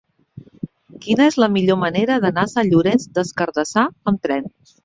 Quina és la millor manera d'anar a Sant Llorenç des Cardassar amb tren?